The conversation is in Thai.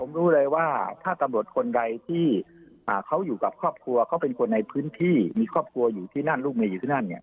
ผมรู้เลยว่าถ้าตำรวจคนใดที่เขาอยู่กับครอบครัวเขาเป็นคนในพื้นที่มีครอบครัวอยู่ที่นั่นลูกเมียอยู่ที่นั่นเนี่ย